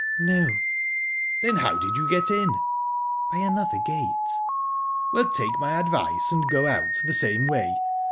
"No." "Then how did you get in?" "By another gate." "Well, take my advice, and go out the same way.